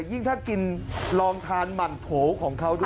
ยิ่งถ้ากินลองทานหมั่นโถของเขาด้วย